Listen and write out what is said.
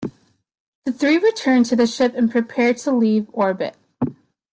The three return to the ship and prepare to leave orbit.